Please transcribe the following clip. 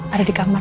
ada di kamar